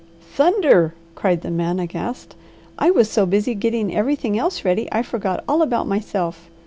"Thunder!" cried the man aghast. "I was so busy getting everything else ready, I forgot all about myself.